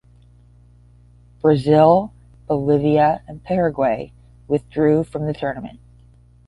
Brazil, Bolivia and Paraguay withdrew from the tournament.